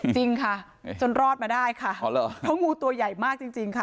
จริงค่ะจนรอดมาได้ค่ะเพราะงูตัวใหญ่มากจริงค่ะ